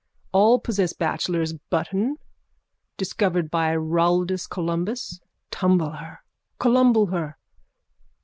All possess bachelor's button discovered by Rualdus Columbus. Tumble her. Columble her.